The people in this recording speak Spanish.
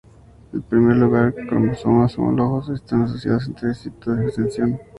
En primer lugar, los cromosomas homólogos están asociados entre sí en toda su extensión.